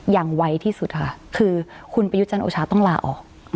ไวที่สุดค่ะคือคุณประยุทธ์จันทร์โอชาต้องลาออก